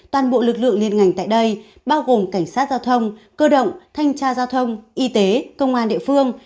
toàn bộ lực lượng liên ngành tại đây bao gồm cảnh sát giao thông cơ động thanh tra giao thông y tế công an địa phương